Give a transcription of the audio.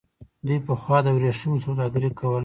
دوی پخوا د ورېښمو سوداګري کوله.